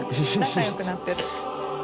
仲良くなってる。